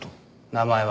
名前は？